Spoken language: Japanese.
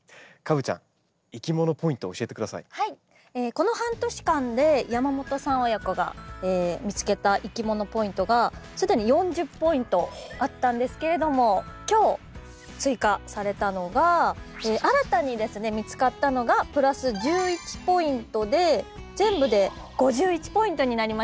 この半年間で山本さん親子が見つけたいきものポイントがすでに４０ポイントあったんですけれども今日追加されたのが新たにですね見つかったのがプラス１１ポイントで全部で５１ポイントになりました。